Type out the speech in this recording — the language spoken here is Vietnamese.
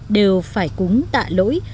đều phải cúng tạ lỗi